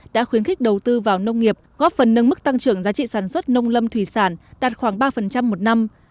đã khuyến khích đầu tư vào nông nghiệp góp phần nâng mức tăng trưởng giá trị sản xuất nông lâm thủy sản đạt khoảng ba một năm